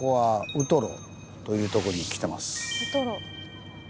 ウトロ。